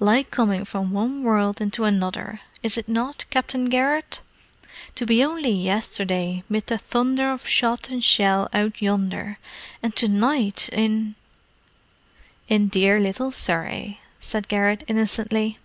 Like coming from one world into another, is it not, Captain Garrett? To be only yesterday 'mid the thunder of shot and shell out yonder; and to night in——" "In dear little Surrey," said Garrett innocently.